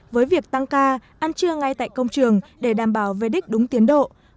với việc tăng ca ăn trưa ngay tại công trường để đảm bảo về đích đúng tiến độ